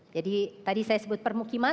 jadi tadi saya sebut permukiman